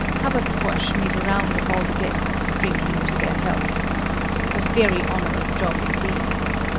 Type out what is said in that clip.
Hubbard Squash made a round of all the guests, drinking to their health. A very onerous job, indeed.